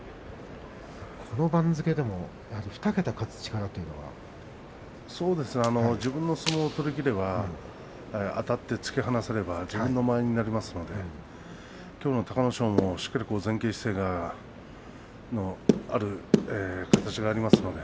この番付でも自分の相撲を取りきればあたって突き放せれば自分の間合いになりますのできょうの隆の勝もしっかり前傾姿勢の形がありますので